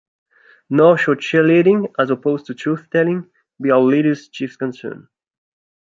Nor should cheerleading, as opposed to truth-telling, be our leaders' chief concern.